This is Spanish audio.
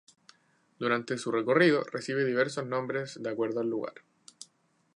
Durante su recorrido recibe diversos nombres de acuerdo al lugar.